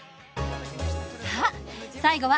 さあ最後は！